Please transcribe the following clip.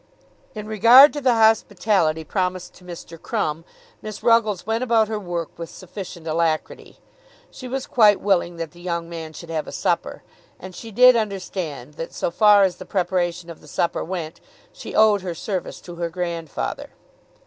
In regard to the hospitality promised to Mr. Crumb, Miss Ruggles went about her work with sufficient alacrity. She was quite willing that the young man should have a supper, and she did understand that, so far as the preparation of the supper went, she owed her service to her grandfather.